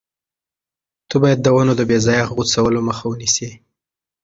ته باید د ونو د بې ځایه غوڅولو مخه ونیسې.